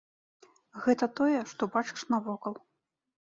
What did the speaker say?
Гэта тое, што бачыш навокал.